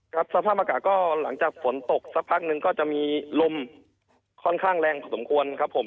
สภาพอากาศก็หลังจากฝนตกสักพักนึงก็จะมีลมค่อนข้างแรงพอสมควรครับผม